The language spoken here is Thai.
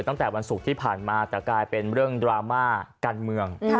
ตั้งแต่วันศุกร์ที่ผ่านมาแต่กลายเป็นเรื่องดราม่าการเมือง